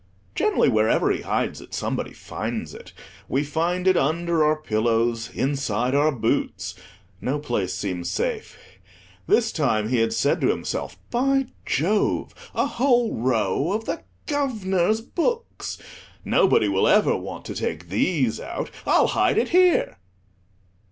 Generally, wherever he hides it somebody finds it. We find it under our pillows—inside our boots; no place seems safe. This time he had said to himself—"By Jove! a whole row of the Guv'nor's books. Nobody will ever want to take these out; I'll hide it here."